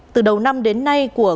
từ đầu năm đến nay của